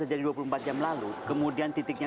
terjadi dua puluh empat jam lalu kemudian titiknya